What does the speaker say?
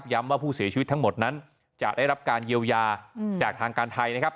ว่าผู้เสียชีวิตทั้งหมดนั้นจะได้รับการเยียวยาจากทางการไทยนะครับ